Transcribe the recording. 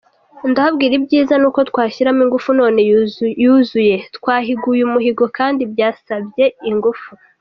Ndababwira ibyiza nuko twashyiramo ingufu none yuzuye, twahiguye umuhigo kandi byasabye ingufu.